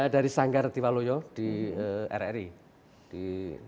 dari sanggar tiwaloyo di rri di